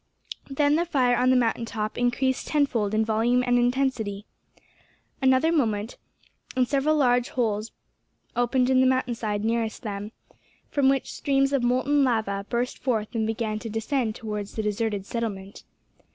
Then the fire on the mountain top increased tenfold in volume and intensity. Another moment, and several large holes opened in the mountain side nearest to them, from which streams of molten lava burst forth and began to descend towards the deserted settlement.